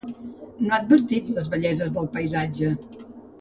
No ha advertit les belleses del paisatge.